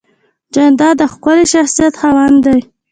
جانداد د ښکلي شخصیت خاوند دی.